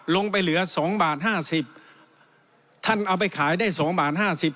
เหลือสองบาทห้าสิบท่านเอาไปขายได้สองบาทห้าสิบ